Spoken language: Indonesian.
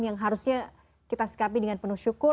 yang harusnya kita sikapi dengan penuh syukur